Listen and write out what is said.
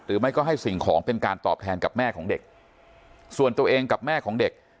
หรือไม่ก็ให้สิ่งของเป็นการตอบแทนกับแม่ของเด็กส่วนตัวเองกับแม่ของเด็ก